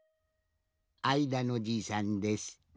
あいだのじいさんです。